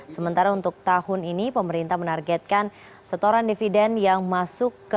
sementara untuk tahun ini pemerintah menargetkan setoran dividen yang masuk ke